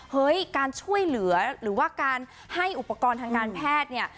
เฮ้ยการช่วยเหลือหรือว่าการให้อุปกรณ์ทางการแพทย์เนี่ย